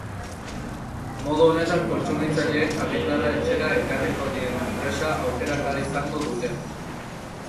Modu honetan kontsumitzaileek argindarra etxera ekarriko dien enpresa aukeratu ahal izango dute.